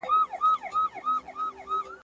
پښتانه ډېر زړه سواند خلک دی